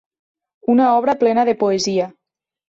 Una obra plena de poesia.